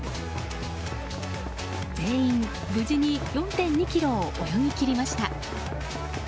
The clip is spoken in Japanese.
全員、無事に４．２ｋｍを泳ぎ切りました。